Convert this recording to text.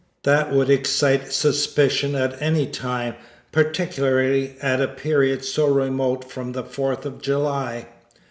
That would excite suspicion at any time, particularly at a period so remote from the Fourth of July.